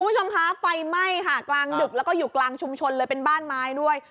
คุณผู้ชมคะไฟไหม้ค่ะกลางดึกแล้วก็อยู่กลางชุมชนเลยเป็นบ้านไม้ด้วย